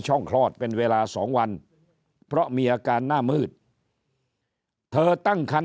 คลอดเป็นเวลา๒วันเพราะมีอาการหน้ามืดเธอตั้งคัน